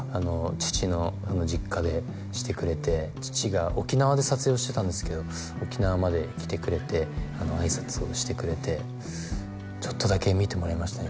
父の実家でしてくれて父が沖縄で撮影をしてたんですけど沖縄まで来てくれて挨拶をしてくれてちょっとだけ見てもらいましたね